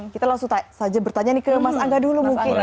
kita langsung bertanya ke mas angga dulu